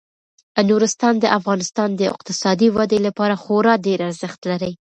نورستان د افغانستان د اقتصادي ودې لپاره خورا ډیر ارزښت لري.